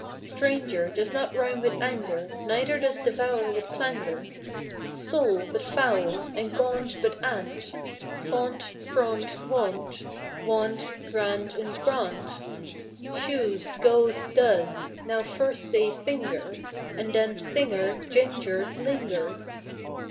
Stranger does not rime with anger, Neither does devour with clangour. Soul, but foul and gaunt, but aunt; Font, front, wont; want, grand, and, grant, Shoes, goes, does.) Now first say: finger, And then: singer, ginger, linger.